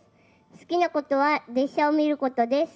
好きなことは列車を見ることです